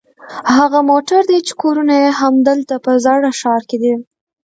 هغه موټر دي چې کورونه یې همدلته په زاړه ښار کې دي.